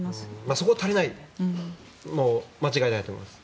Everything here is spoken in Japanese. そこが足りないのは間違いないと思います。